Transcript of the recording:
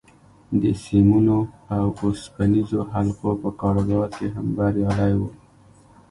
د سيمونو او اوسپنيزو حلقو په کاروبار کې هم بريالی و.